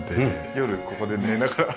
夜ここで寝ながら。